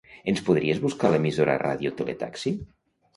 Ens podries buscar l'emissora "Radio Tele Taxi"?